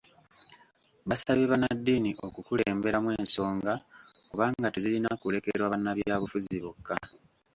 Basabye bannaddiini okukulemberamu ensonga kubanga tezirina kulekerwa bannabyabufuzi bokka.